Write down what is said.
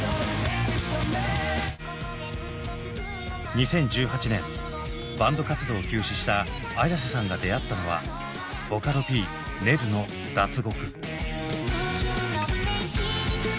２０１８年バンド活動を休止したＡｙａｓｅさんが出会ったのはボカロＰＮｅｒｕの「脱獄」。